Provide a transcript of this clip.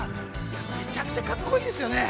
めちゃくちゃカッコいいですよね。